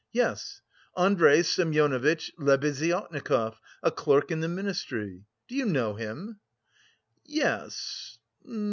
"Yes, Andrey Semyonovitch Lebeziatnikov, a clerk in the Ministry. Do you know him?" "Yes...